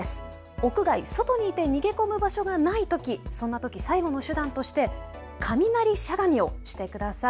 屋外、外にいて、逃げ込む場所がないときそんなとき最後の手段として雷しゃがみをしてください。